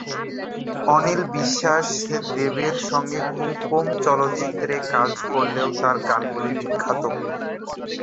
অনিল বিশ্বাস দেবের সঙ্গে খুব কম চলচ্চিত্রে কাজ করলেও তাদের গানগুলি বিখ্যাত।